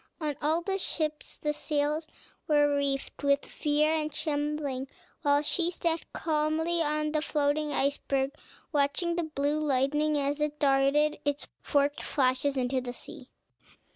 On all the ships the sails were reefed with fear and trembling, while she sat calmly on the floating iceberg, watching the blue lightning, as it darted its forked flashes into the sea.